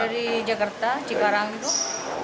dari jakarta cikarang itu